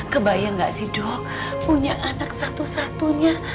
kebayang gak sih dok punya anak satu satunya